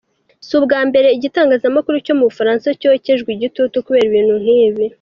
Si ubwa mbere igitangazamakuru cyo mu Bufaransa cyokejwe igitutu kubera ibintu nk’ibi.